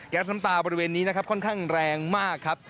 น้ำตาบริเวณนี้นะครับค่อนข้างแรงมากครับ